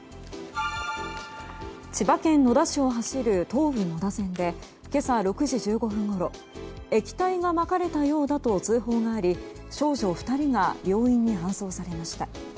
千葉県野田市を走る東武野田線で今朝６時１５分ごろ液体がまかれたようだと通報があり、少女２人が病院に搬送されました。